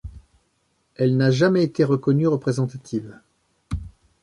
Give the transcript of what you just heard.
Elle n'a jamais été reconnue représentative.